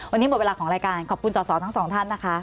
วันนี้หมดเวลาของรายการขอบคุณสอสอทั้งสองท่านนะคะ